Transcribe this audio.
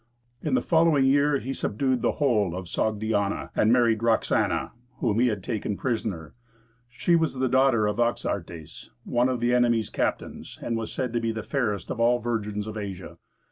In the following year he subdued the whole of Sogdiana, and married Roxana, whom he had taken prisoner. She was the daughter of Oxyartes, one of the enemy's captains, and was said to be the fairest of all the virgins of Asia.